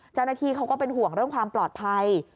เจ้าหน้าที่เขาก็เป็นห่วงเรื่องความปลอดภัย